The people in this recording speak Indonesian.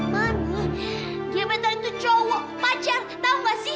man gue gebetan itu cowok pacar tau gak sih